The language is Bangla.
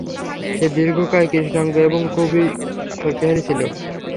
সে দীর্ঘকায়, কৃষ্ণাঙ্গ এবং খুবই শক্তিশালী ছিল।